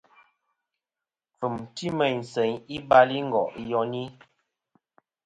Kfɨ̀m ti meyn seyn i balingo' iyoni.